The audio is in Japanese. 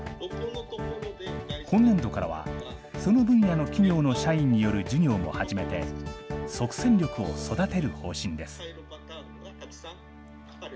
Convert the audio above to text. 今年度からは、その分野の企業の社員による授業も始めて、即戦力を育てる方針です。